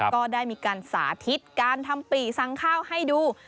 ก็ได้มีการสาธิตการทำปี่สั่งข้าวให้ดู